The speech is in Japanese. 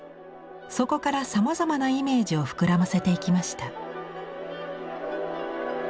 そこからさまざまなイメージを膨らませていきました。